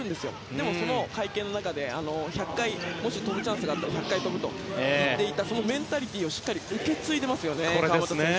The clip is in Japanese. でも、会見の中で１００回跳ぶチャンスがあったら１００回跳ぶと言っていたメンタリティーをしっかり受け継いでいますね。